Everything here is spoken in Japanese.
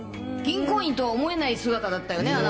銀行員とは思えない姿だったよね。